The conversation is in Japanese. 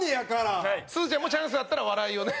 澤部：すずちゃんもチャンスあったら、笑いをね。